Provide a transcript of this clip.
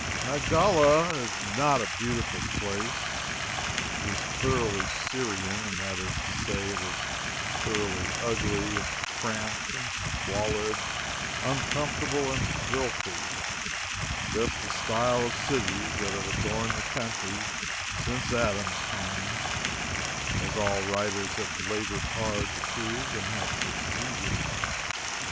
Magdala is not a beautiful place. It is thoroughly Syrian, and that is to say that it is thoroughly ugly, and cramped, squalid, uncomfortable, and filthy just the style of cities that have adorned the country since Adam's time, as all writers have labored hard to prove, and have succeeded.